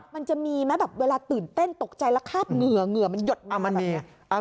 มันจะมีเวลาตื่นเต้นตกใจแล้วคราบเหงื่อมันหยดมา